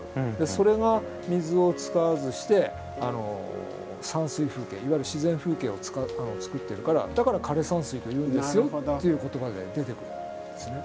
それが水を使わずして山水風景いわゆる自然風景をつくっているからだから枯山水というんですよっていう言葉で出てくるんですね。